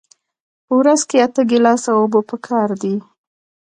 په ورځ کې اته ګیلاسه اوبه پکار دي